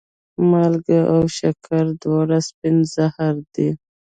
مالګه او شکره دواړه سپین زهر دي.